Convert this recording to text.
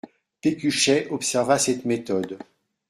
Pécuchet observa cette méthode.